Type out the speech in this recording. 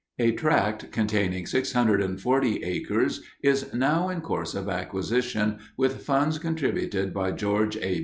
A tract containing 640 acres is now in course of acquisition with funds contributed by George A.